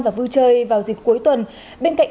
và vui chơi vào dịp cuối tuần bên cạnh